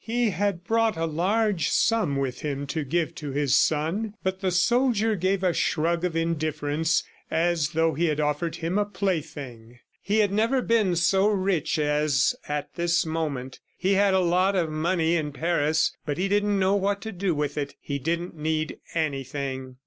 ..." He had brought a large sum with him to give to his son, but the soldier gave a shrug of indifference as though he had offered him a plaything. He had never been so rich as at this moment; he had a lot of money in Paris and he didn't know what to do with it he didn't need anything.